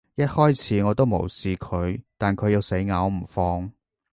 一開始，我都無視佢，但佢又死咬唔放